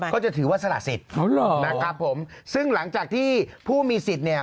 ก็จะถือว่าสละสิทธิ์นะครับผมซึ่งหลังจากที่ผู้มีสิทธิ์เนี่ย